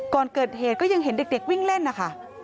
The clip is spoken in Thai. ก่อนเกิดเหตุก็ยังเห็นเด็กวิ่งเล่นนะคะ